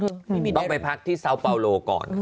ต้องไปพักที่เซาเปาโลก่อน